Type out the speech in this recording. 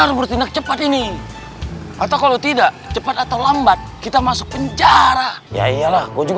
harus bertindak cepat ini atau kalau tidak cepat atau lambat kita masuk penjara ya iyalah ujung